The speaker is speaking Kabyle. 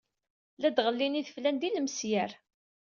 La d-ɣellin ideflan d ilmesyar.